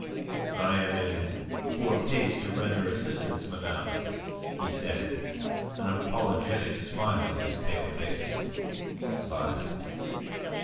"I am in poor case to render assistance, madame," he said, an apologetic smile on his pale face. "But..."